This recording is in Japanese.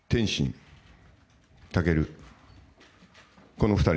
この２人。